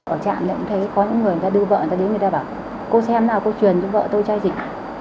ở trạm này cũng thấy có những người đưa vợ đến người ta bảo cô xem nào cô truyền cho vợ tôi chai dịch